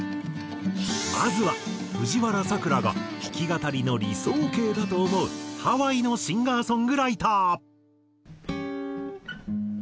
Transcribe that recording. まずは藤原さくらが弾き語りの理想系だと思うハワイのシンガーソングライター。